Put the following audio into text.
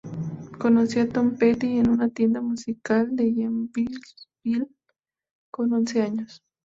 Conoció a Tom Petty en una tienda musical de Gainesville con once años.